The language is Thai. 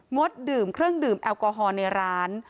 ดดื่มเครื่องดื่มแอลกอฮอล์ในร้าน